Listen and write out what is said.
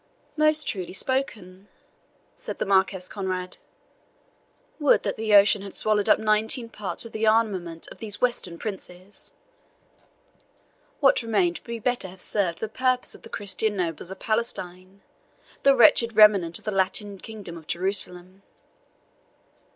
"Most truly spoken," said the Marquis Conrade. "Would that the ocean had swallowed up nineteen parts of the armaments of these Western princes! What remained would better have served the purpose of the Christian nobles of Palestine, the wretched remnant of the Latin kingdom of Jerusalem.